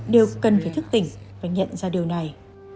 đều cần phải thức tỉnh và nhận ra điều này